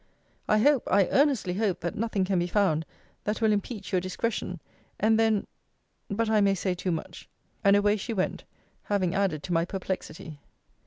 I hope, I earnestly hope, that nothing can be found that will impeach your discretion; and then but I may say too much And away she went, having added to my perplexity.